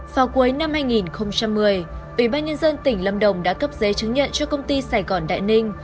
vào cuối năm hai nghìn một mươi ủy ban nhân dân tỉnh lâm đồng đã cấp giấy chứng nhận cho công ty sài gòn đại ninh